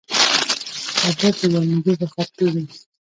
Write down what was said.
اوبه په ګرمېدو بخار کېږي.